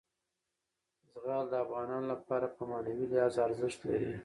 زغال د افغانانو لپاره په معنوي لحاظ ارزښت لري.